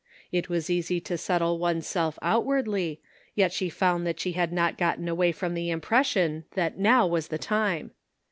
It was easy to settle oneself outwardly, yet she found that she had not gotten away from the impression that now was the time.